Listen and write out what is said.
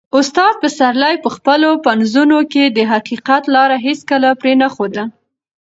استاد پسرلي په خپلو پنځونو کې د حقیقت لاره هیڅکله پرې نه ښوده.